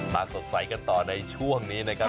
สดใสกันต่อในช่วงนี้นะครับ